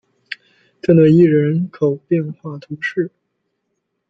特讷伊人口变化图示